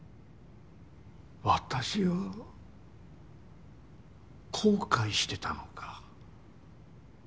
私は後悔してたのか。